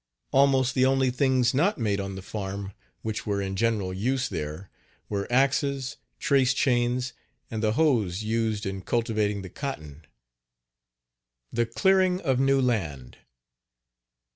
Almost the only things not made on the farm which were in general use there were axes, trace chains and the hoes used in cultivating the cotton. THE CLEARING OF NEW LAND.